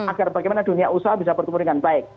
agar bagaimana dunia usaha bisa bertumbuh dengan baik